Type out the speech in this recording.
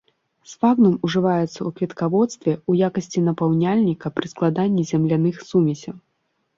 Сфагнум ўжываецца ў кветкаводстве ў якасці напаўняльніка пры складанні земляных сумесяў.